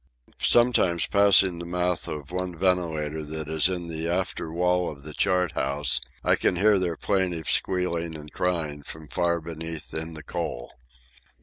Sometimes, passing the mouth of one ventilator that is in the after wall of the chart house, I can hear their plaintive squealing and crying from far beneath in the coal.